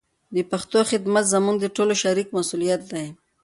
د پښتو خدمت زموږ د ټولو شریک مسولیت دی.